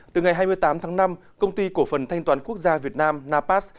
từ ngày hai mươi tám tháng năm công ty cổ phần thanh toán quốc gia việt nam napas